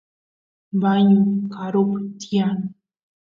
bañu karup tiyan